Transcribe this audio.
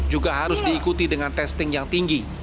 juga harus diikuti dengan testing yang tinggi